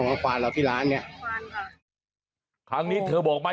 เราจะเอาที่ไหนจ่ายค่าชงค่า